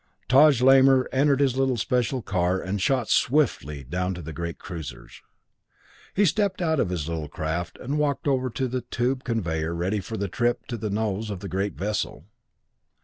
Taj Lamor entered his little special car and shot swiftly down to the giant cruisers. He stepped out of his little craft and walked over to the tube conveyor ready for the trip to the nose of the great vessel.